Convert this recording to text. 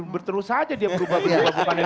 berterus aja dia berubah ubah bukan identitas